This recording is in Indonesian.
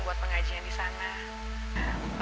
buat pengajian disana